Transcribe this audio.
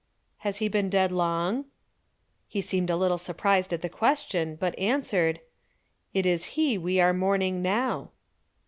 "Has he been dead long?" He seemed a little surprised at the question, but answered: "It is he we are mourning now."